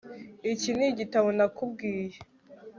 Iki nigitabo nakubwiye